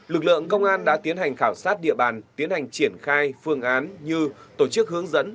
lực lượng công an đã tiến hành khảo sát địa bàn tiến hành triển khai phương án như tổ chức hướng dẫn